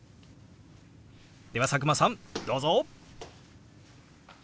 では佐久間さんどうぞ！